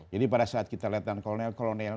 jadi pada saat kita lihat kolonel kolonel